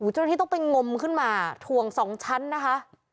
จริงที่ต้องไปงมขึ้นมาถ่วงสองชั้นนะคะ